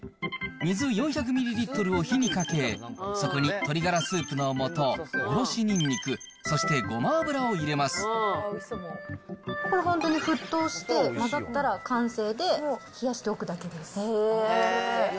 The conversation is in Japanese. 水４００ミリリットルを火にかけ、そこに鶏ガラスープのもと、おろしにんにく、そしてごま油を入れこれ本当に沸騰して、混ざったら完成で、冷やしておくだけです。